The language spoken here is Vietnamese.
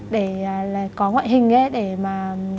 để là có ngoại hình ấy để mà